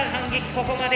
ここまで。